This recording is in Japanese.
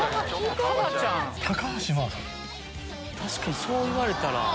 確かにそう言われたら。